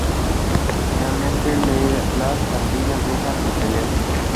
Finalmente las pandillas dejan de pelear.